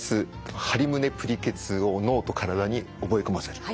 ハリ胸＆ぷりケツを脳と体に覚え込ませる。